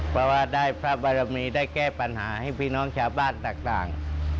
เพราะว่าได้พระบารมีได้แก้ปัญหาให้พี่น้องชาวบ้านต่าง